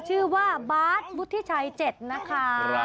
ชื่อว่าบาทวุฒิชัย๗นะคะ